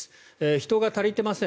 人が足りてません。